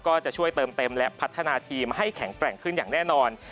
ก็จะช่วยเติมเต็มและพัฒนาทีมให้แข็งแกร่งขึ้นอย่างแน่นอน